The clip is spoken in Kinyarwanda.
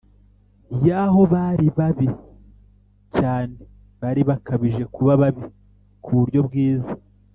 yaho bari babi cyane Bari bakabije kuba babi ku buryo bwiza